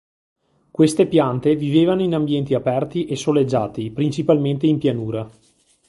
Queste piante vivevano in ambienti aperti e soleggiati, principalmente in pianura.